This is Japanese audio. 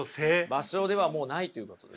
場所ではもうないということです。